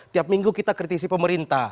tiap minggu kita kritisi pemerintah